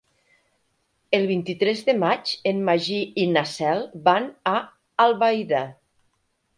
El vint-i-tres de maig en Magí i na Cel van a Albaida.